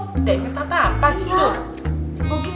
gak inget apa apa gitu